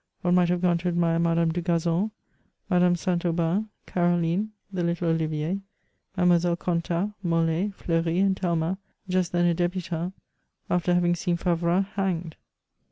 One might have gone to admire Madame Dugazon, Madame St. Aubin, Caroline, the little Olivier, MademoiseUe Contat, Mole, Fleury, and Tahna, just then a debutant, after having seen Favras hanged.